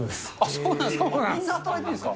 そうなんですか。